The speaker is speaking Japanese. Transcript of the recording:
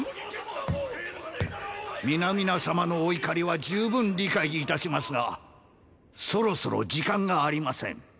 皆々様のお怒りは十分理解いたしますがそろそろ時間がありません。